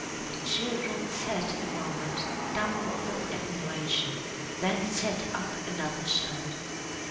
The children sat a moment dumb with admiration, then set up another shout.